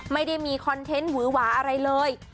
ไม่ได้มีคอนเทนต์หวือหวาอะไรเลย